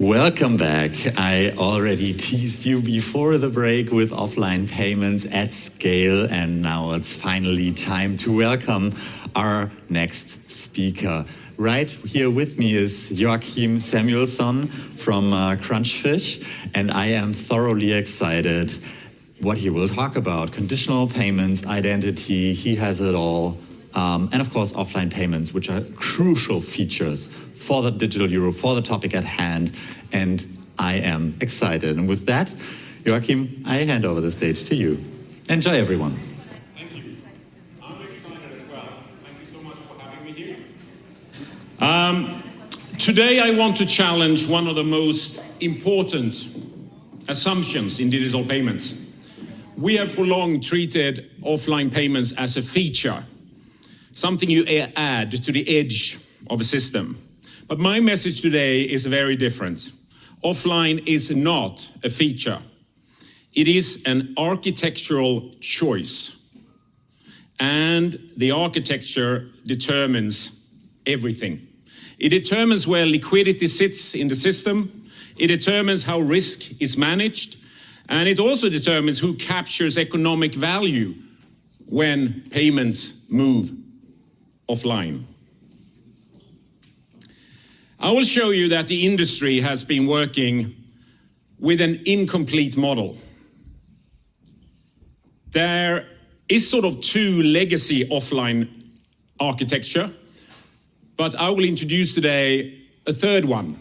Welcome back. I already teased you before the break with offline payments at scale, and now it's finally time to welcome our next speaker. Right here with me is Joachim Samuelsson from Crunchfish, and I am thoroughly excited what he will talk about. Conditional payments, identity, he has it all, and of course, offline payments, which are crucial features for the digital euro, for the topic at hand, and I am excited. With that, Joachim, I hand over the stage to you. Enjoy, everyone. Thank you. I'm excited as well. Thank you so much for having me here. Today I want to challenge one of the most important assumptions in digital payments. We have for long treated offline payments as a feature, something you add to the edge of a system. My message today is very different. Offline is not a feature. It is an architectural choice, and the architecture determines everything. It determines where liquidity sits in the system, it determines how risk is managed, and it also determines who captures economic value when payments move offline. I will show you that the industry has been working with an incomplete model. There is sort of two legacy offline architecture, but I will introduce today a third one,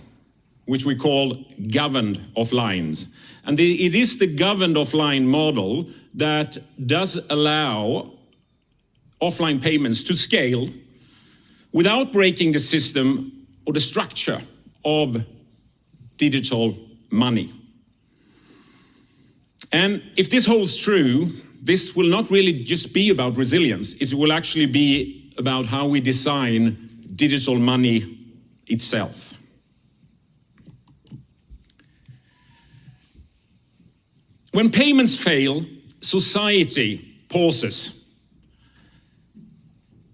which we call governed offline. It is the Governed Offline model that does allow offline payments to scale without breaking the system or the structure of digital money. If this holds true, this will not really just be about resilience, it will actually be about how we design digital money itself. When payments fail, society pauses.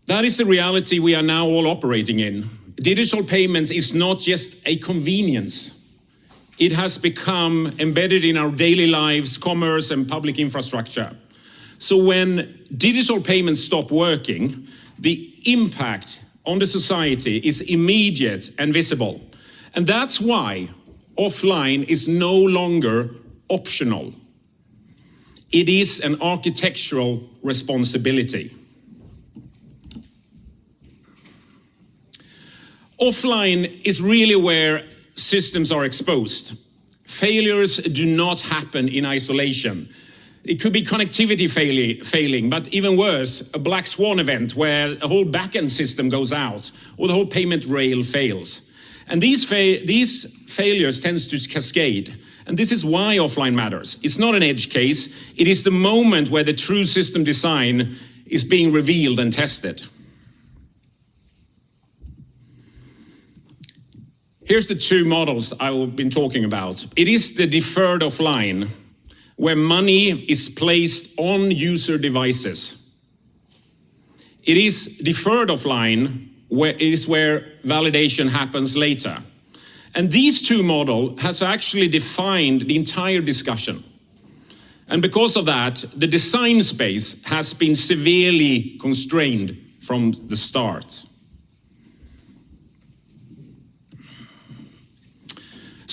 That is the reality we are now all operating in. Digital payments is not just a convenience. It has become embedded in our daily lives, commerce, and public infrastructure. When digital payments stop working, the impact on the society is immediate and visible. That's why offline is no longer optional. It is an architectural responsibility. Offline is really where systems are exposed. Failures do not happen in isolation. It could be connectivity failing, but even worse, a black swan event where a whole backend system goes out or the whole payment rail fails. These failures tend to cascade, and this is why offline matters. It's not an edge case. It is the moment where the true system design is being revealed and tested. Here's the two models I've been talking about. It is the deferred offline, where money is placed on user devices. It is deferred offline where validation happens later. These two models have actually defined the entire discussion. Because of that, the design space has been severely constrained from the start.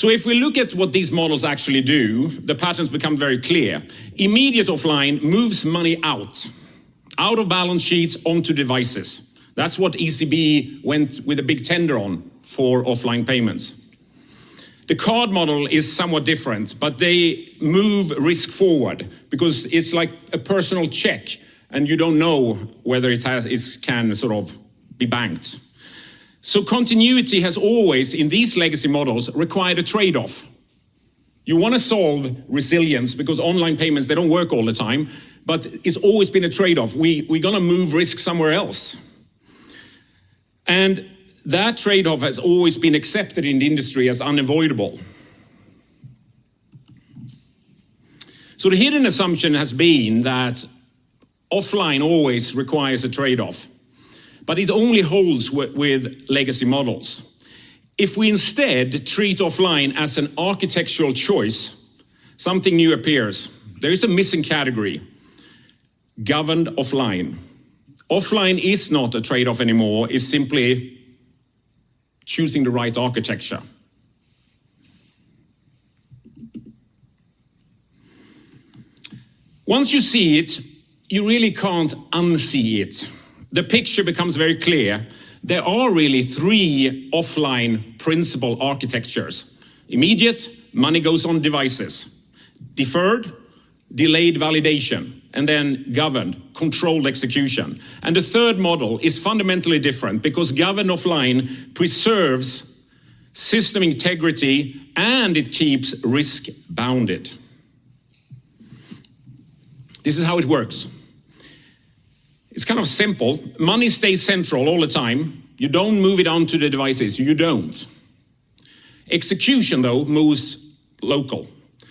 If we look at what these models actually do, the patterns become very clear. Immediate offline moves money out of balance sheets onto devices. That's what ECB went with a big tender on for offline payments. The card model is somewhat different, but they move risk forward because it's like a personal check and you don't know whether it has, is, can sort of be banked. Continuity has always, in these legacy models, required a trade-off. You wanna solve resilience because online payments, they don't work all the time, but it's always been a trade-off. We're gonna move risk somewhere else. That trade-off has always been accepted in the industry as unavoidable. The hidden assumption has been that offline always requires a trade-off, but it only holds with legacy models. If we instead treat offline as an architectural choice, something new appears. There is a missing category, Governed Offline. Offline is not a trade-off anymore, it's simply choosing the right architecture. Once you see it, you really can't unsee it. The picture becomes very clear. There are really three offline principal architectures. Immediate, money goes on devices. Deferred, delayed validation. Governed, controlled execution. The third model is fundamentally different because Governed Offline preserves system integrity and it keeps risk bounded. This is how it works. It's kind of simple. Money stays central all the time. You don't move it onto the devices. You don't. Execution, though, moves local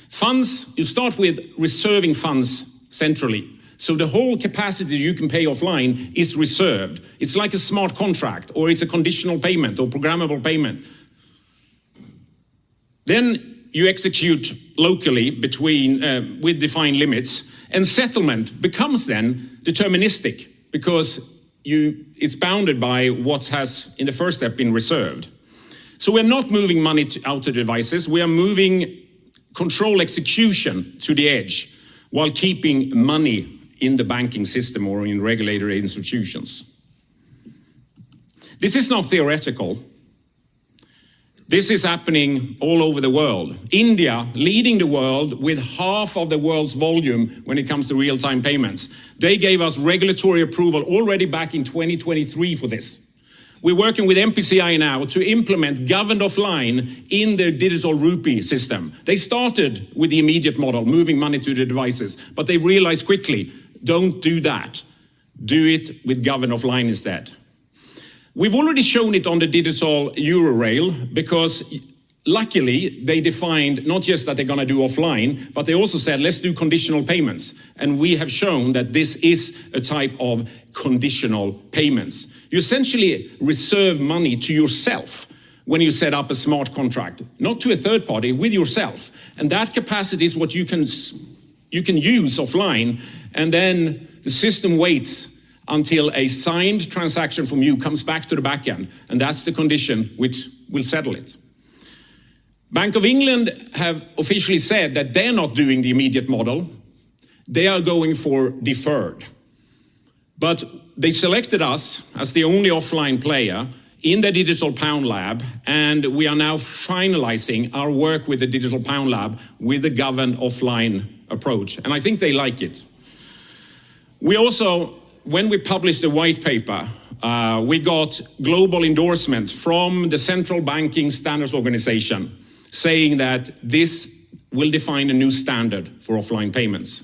funds. You start with reserving funds centrally. The whole capacity you can pay offline is reserved. It's like a smart contract, or it's a conditional payment or programmable payment. You execute locally between with defined limits, and settlement becomes then deterministic because it's bounded by what has, in the first step, been reserved. We're not moving money out to devices. We are moving control execution to the edge while keeping money in the banking system or in regulated institutions. This is not theoretical. This is happening all over the world. India leading the world with half of the world's volume when it comes to real-time payments. They gave us regulatory approval already back in 2023 for this. We're working with NPCI now to implement Governed Offline in their Digital Rupee system. They started with the immediate model, moving money to the devices, but they realized quickly, "Don't do that. Do it with Governed Offline instead." We've already shown it on the Digital Euro Rail because luckily they defined not just that they're gonna do offline, but they also said, "Let's do conditional payments." We have shown that this is a type of conditional payments. You essentially reserve money to yourself when you set up a smart contract, not to a third party, with yourself. That capacity is what you can use offline, and then the system waits until a signed transaction from you comes back to the back end, and that's the condition which will settle it. Bank of England have officially said that they're not doing the immediate model. They are going for deferred. But they selected us as the only offline player in the Digital Pound Lab, and we are now finalizing our work with the Digital Pound Lab with the governed offline approach, and I think they like it. We also, when we published the white paper, we got global endorsement from the Central Banking Standards Organization saying that this will define a new standard for offline payments.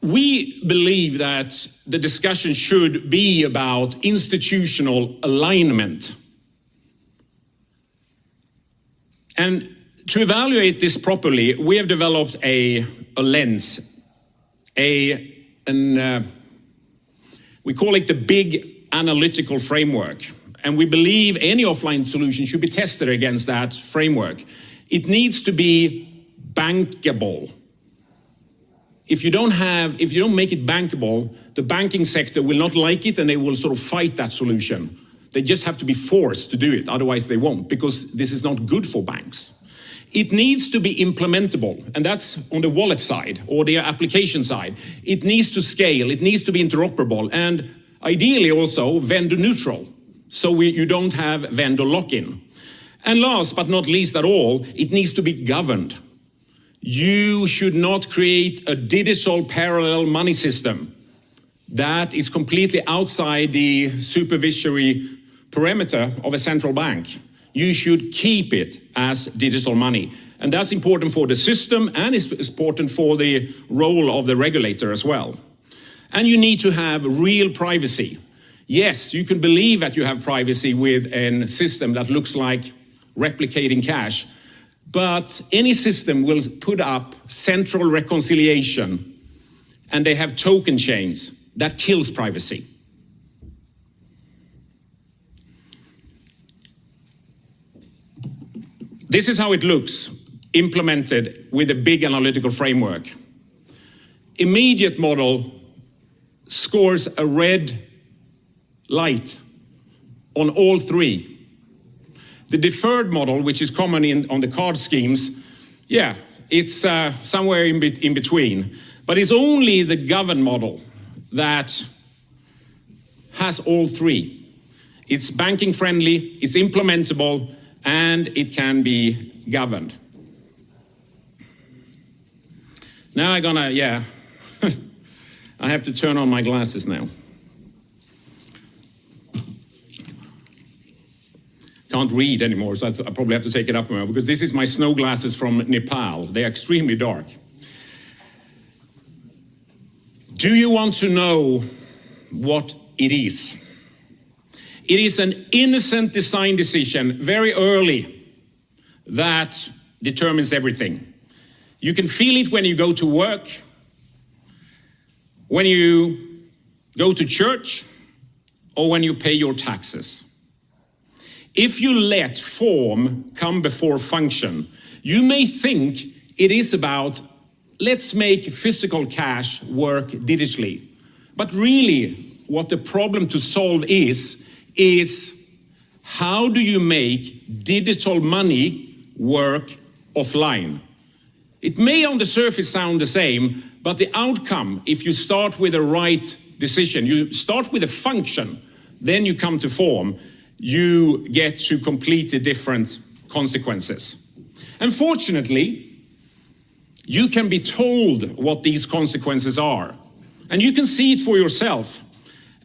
We believe that the discussion should be about institutional alignment. To evaluate this properly, we have developed a lens, an... We call it the BIG Analytical Framework, and we believe any offline solution should be tested against that framework. It needs to be bankable. If you don't make it bankable, the banking sector will not like it, and they will sort of fight that solution. They just have to be forced to do it, otherwise they won't, because this is not good for banks. It needs to be implementable, and that's on the wallet side or the application side. It needs to scale, it needs to be interoperable, and ideally also vendor-neutral, you don't have vendor lock-in. Last but not least at all, it needs to be governed. You should not create a digital parallel money system that is completely outside the supervisory perimeter of a central bank. You should keep it as digital money, and that's important for the system, and it's important for the role of the regulator as well. You need to have real privacy. Yes, you can believe that you have privacy with a system that looks like replicating cash, but any system will put up central reconciliation, and they have token chains. That kills privacy. This is how it looks implemented with the BIG Analytical Framework. Immediate model scores a red light on all three. The deferred model, which is common on the card schemes, is somewhere in between. It's only the governed model that has all three. It's banking-friendly, it's implementable, and it can be governed. Now I'm gonna. I have to turn on my glasses now. Can't read anymore, so I probably have to take it off in a while because this is my snow glasses from Nepal. They're extremely dark. Do you want to know what it is? It is an innocent design decision very early that determines everything. You can feel it when you go to work, when you go to church, or when you pay your taxes. If you let form come before function, you may think it is about, "Let's make physical cash work digitally." Really, what the problem to solve is how do you make digital money work offline? It may on the surface sound the same, but the outcome, if you start with the right decision, you start with the function, then you come to form, you get to completely different consequences. Fortunately, you can be told what these consequences are, and you can see it for yourself.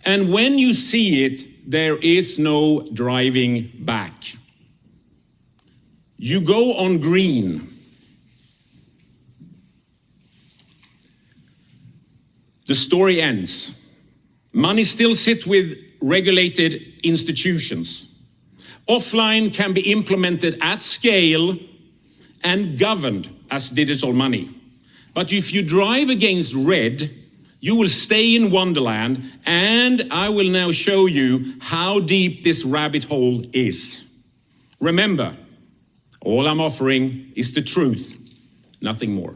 When you see it, there is no driving back. You go on green. The story ends. Money still sits with regulated institutions. Offline can be implemented at scale and governed as digital money. If you drive against red, you will stay in Wonderland, and I will now show you how deep this rabbit hole is. Remember, all I'm offering is the truth, nothing more.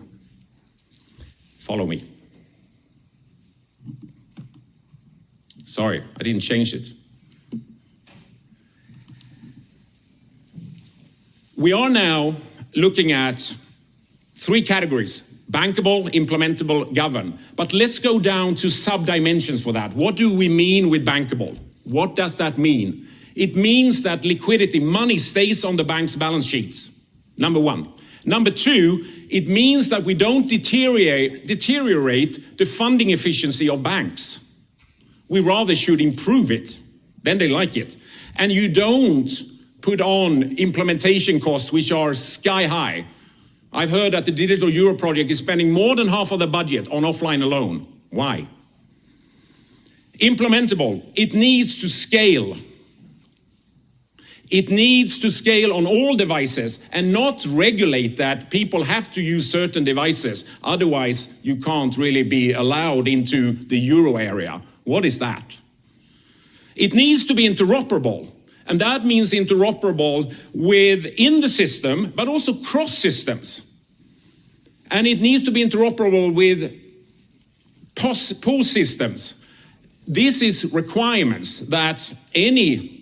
Follow me. Sorry, I didn't change it. We are now looking at three categories, bankable, implementable, governed. Let's go down to sub-dimensions for that. What do we mean with bankable? What does that mean? It means that liquidity, money stays on the bank's balance sheets, number one. Number two, it means that we don't deteriorate the funding efficiency of banks. We rather should improve it, then they like it. You don't put on implementation costs which are sky high. I've heard that the digital euro project is spending more than half of the budget on offline alone. Why? Implementable. It needs to scale. It needs to scale on all devices and not regulate that people have to use certain devices, otherwise you can't really be allowed into the euro area. What is that? It needs to be interoperable, and that means interoperable within the system but also cross-systems. It needs to be interoperable with POS systems. This is requirements that any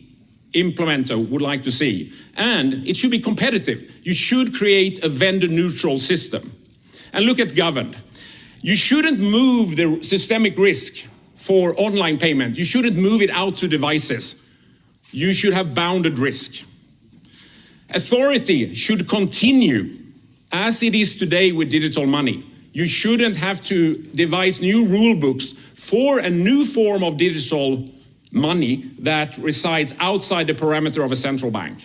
implementer would like to see. It should be competitive. You should create a vendor-neutral system. Look at governed. You shouldn't move the systemic risk for online payment. You shouldn't move it out to devices. You should have bounded risk. Authority should continue as it is today with digital money. You shouldn't have to devise new rule books for a new form of digital money that resides outside the perimeter of a central bank.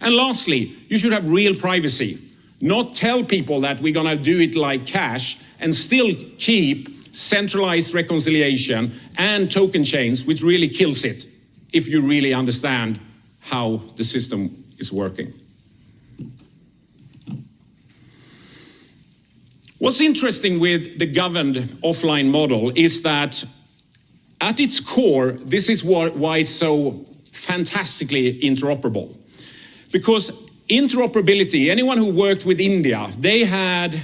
Lastly, you should have real privacy, not tell people that we're gonna do it like cash and still keep centralized reconciliation and token chains, which really kills it if you really understand how the system is working. What's interesting with the Governed Offline model is that at its core, this is why it's so fantastically interoperable. Because interoperability, anyone who worked with India, they had a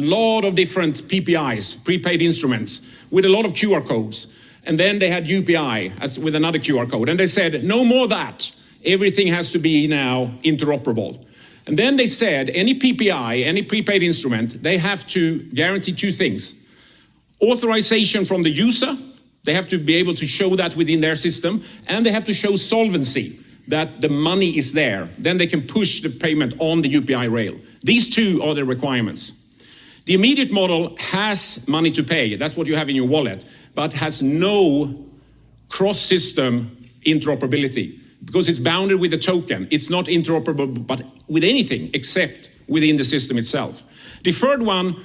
lot of different PPIs, prepaid instruments, with a lot of QR codes, and then they had UPI as with another QR code. They said, "No more that. Everything has to be now interoperable." They said, "Any PPI, any prepaid instrument, they have to guarantee two things, authorization from the user, they have to be able to show that within their system, and they have to show solvency, that the money is there, then they can push the payment on the UPI rail." These two are the requirements. The immediate model has money to pay, that's what you have in your wallet, but has no cross-system interoperability because it's bounded with a token. It's not interoperable but with anything except within the system itself. Deferred one,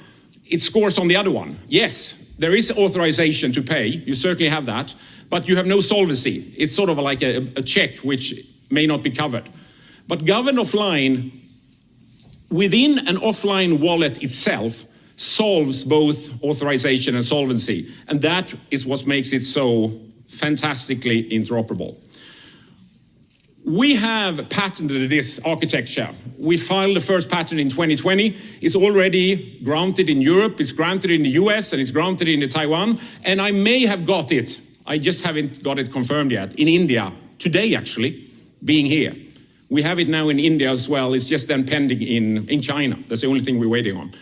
it scores on the other one. Yes, there is authorization to pay, you certainly have that, but you have no solvency. It's sort of like a check which may not be covered. Governed offline within an offline wallet itself solves both authorization and solvency, and that is what makes it so fantastically interoperable. We have patented this architecture. We filed the first patent in 2020. It's already granted in Europe, it's granted in the U.S., and it's granted in Taiwan, and I may have got it, I just haven't got it confirmed yet, in India today actually being here. We have it now in India as well. It's just then pending in China. That's the only thing we're waiting on.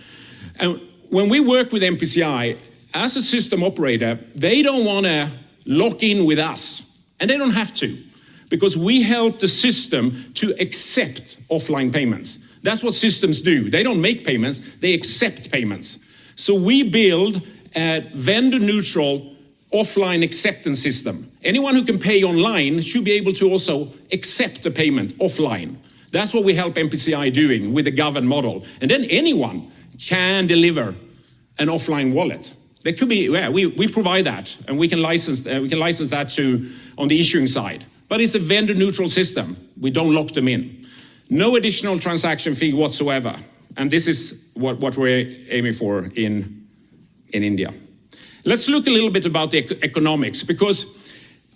When we work with NPCI as a system operator, they don't wanna lock in with us, and they don't have to because we help the system to accept offline payments. That's what systems do. They don't make payments, they accept payments. We build a vendor-neutral offline acceptance system. Anyone who can pay online should be able to also accept a payment offline. That's what we help NPCI doing with the governed model. Anyone can deliver an offline wallet. Yeah, we provide that, and we can license that to on the issuing side. It's a vendor-neutral system. We don't lock them in. No additional transaction fee whatsoever, and this is what we're aiming for in India. Let's look a little bit about the economics because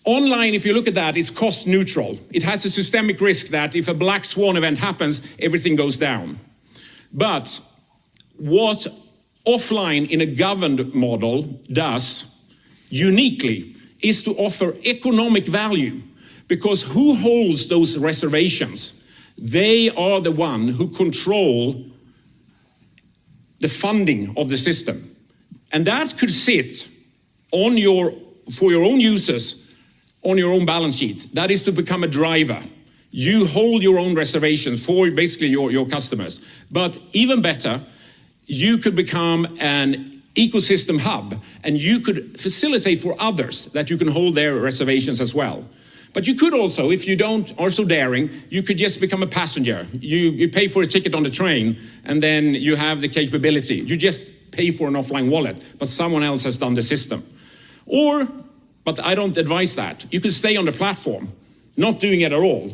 online, if you look at that, it's cost neutral. It has a systemic risk that if a black swan event happens, everything goes down. What offline in a governed model does uniquely is to offer economic value because who holds those reservations? They are the one who control the funding of the system. That could sit on your balance sheet for your own users on your own balance sheet. That is to become a driver. You hold your own reservations for basically your customers. Even better, you could become an ecosystem hub, and you could facilitate for others that you can hold their reservations as well. You could also, if you're not so daring, you could just become a passenger. You pay for a ticket on the train, and then you have the capability. You just pay for an offline wallet, but someone else has done the system. I don't advise that, you could stay on the platform not doing it at all.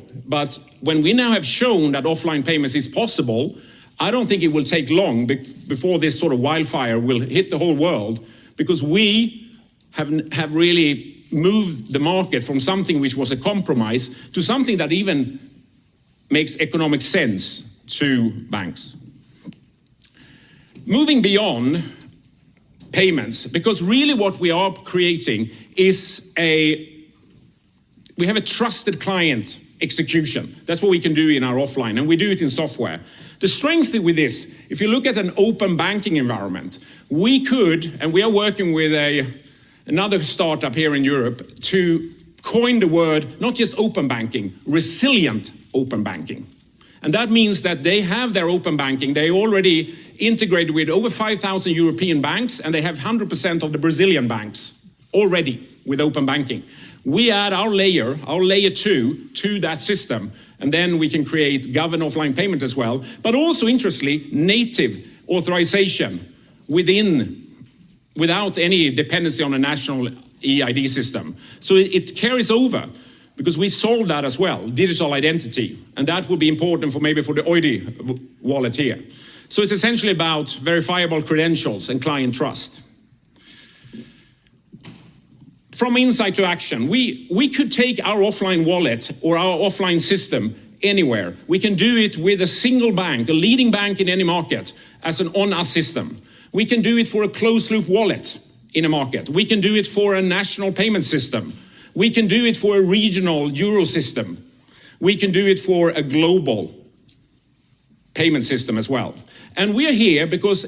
When we now have shown that offline payments is possible, I don't think it will take long before this sort of wildfire will hit the whole world because we have really moved the market from something which was a compromise to something that even makes economic sense to banks. Moving beyond payments, because really what we are creating is a trusted client execution. That's what we can do in our offline, and we do it in software. The strength with this, if you look at an open banking environment, we could, and we are working with another startup here in Europe to coin the word, not just open banking, resilient open banking. That means that they have their open banking. They already integrated with over 5,000 European banks, and they have 100% of the Brazilian banks already with open banking. We add our layer, our Layer-2 to that system, and then we can create governed offline payment as well, but also interestingly, native authorization without any dependency on a national eID system. It carries over because we sold that as well, digital identity, and that will be important, maybe for the EUDI Wallet here. It's essentially about verifiable credentials and client trust. From insight to action, we could take our offline wallet or our offline system anywhere. We can do it with a single bank, a leading bank in any market as an on-us system. We can do it for a closed loop wallet in a market. We can do it for a national payment system. We can do it for a regional Euro system. We can do it for a global payment system as well. We are here because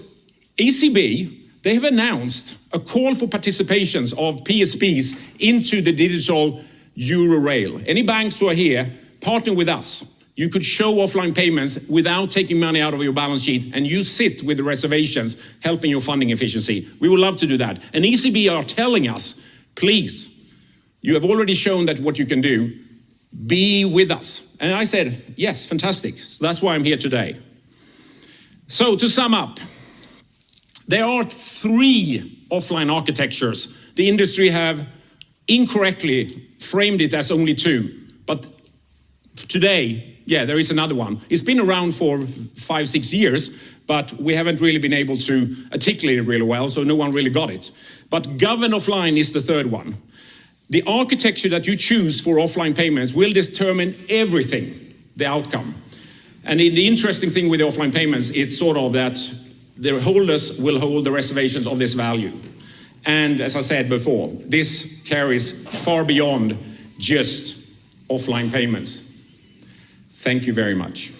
ECB, they have announced a call for participations of PSPs into the Digital Euro rail. Any banks who are here, partner with us. You could show offline payments without taking money out of your balance sheet, and you sit with the reserves helping your funding efficiency. We would love to do that. ECB are telling us, "Please, you have already shown that what you can do, be with us." I said, "Yes. Fantastic." That's why I'm here today. To sum up, there are three offline architectures. The industry have incorrectly framed it as only two. Today, yeah, there is another one. It's been around for five, six years, but we haven't really been able to articulate it really well, so no one really got it. Governed Offline is the third one. The architecture that you choose for offline payments will determine everything, the outcome. The interesting thing with the offline payments, it's sort of that the holders will hold the reservations of this value. As I said before, this carries far beyond just offline payments. Thank you very much.